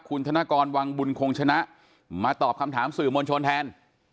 คุณธนกรวังบุญคงชนะมาตอบคำถามสื่อมวลชนแทน